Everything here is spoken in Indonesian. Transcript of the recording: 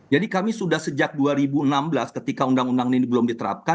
jadi kami sudah sejak dua ribu enam belas ketika undang undang ini belum diterapkan